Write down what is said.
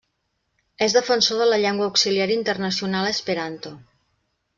És defensor de la llengua auxiliar internacional esperanto.